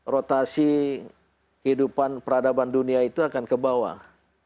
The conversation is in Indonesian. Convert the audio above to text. rotasi kehidupan peradaban dunia itu akan ke bawah